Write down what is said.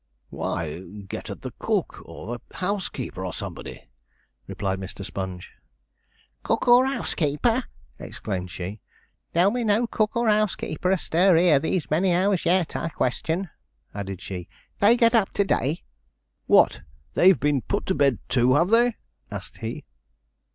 'Why, get at the cook, or the housekeeper, or somebody,' replied Mr. Sponge. 'Cook or housekeeper!' exclaimed she. 'There'll be no cook or housekeeper astir here these many hours yet; I question,' added she, 'they get up to day.' 'What! they've been put to bed too, have they?' asked he.